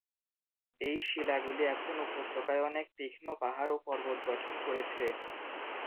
এই শিলাগুলি এখন উপত্যকায় অনেক তীক্ষ্ণ পাহাড় ও পর্বত গঠন করেছে।